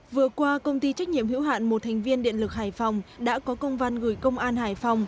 vừa qua công ty trách nhiệm hữu hạn một thành viên điện lực hải phòng đã có công văn gửi công an hải phòng